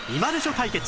対決